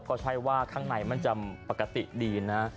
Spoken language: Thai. ก็ใช่ว่าข้างในมันจะปกติดีนะ